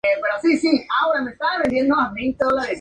De esa forma entabla conocimiento con Eloisa.